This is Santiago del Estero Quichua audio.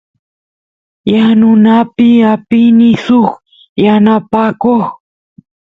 yanunapi apini suk yanapakoq